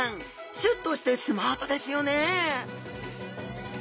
シュッとしてスマートですよねえ！